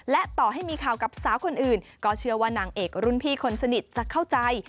และต่อให้มีข่าวกับสาวคนอื่นก็เชื่อว่านางเอกรุ่นพี่คนสนิทจะเข้าใจ